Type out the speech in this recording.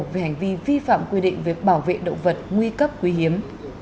về hành vi vi phạm quy định về bảo vệ động vật nguy cấp quý hiếm